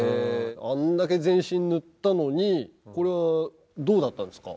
あんだけ全身に塗ったのにこれはどうだったんですか？